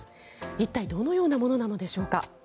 一体どのようなものなのでしょうか。